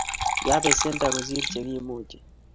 Yoo pesendo kosir che kimuchi